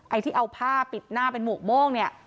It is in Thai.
ไอ้ที่เอาผ้าปิดหน้าเป็นหมวกโม่งเนี่ย